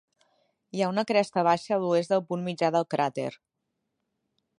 Hi ha una cresta baixa a l'oest del punt mitjà del cràter.